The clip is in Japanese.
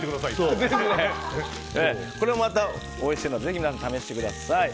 これもおいしいのでぜひ試してみてください。